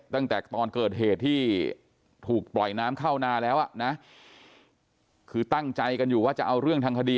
ตั้งแต่ตอนเกิดเหตุที่ถูกปล่อยน้ำเข้านาแล้วอ่ะนะคือตั้งใจกันอยู่ว่าจะเอาเรื่องทางคดี